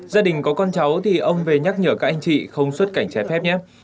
gia đình có con cháu thì ông về nhắc nhở các anh chị không xuất cảnh trái phép nhé